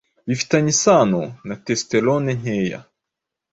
bifitanye isano na testosterone nkeya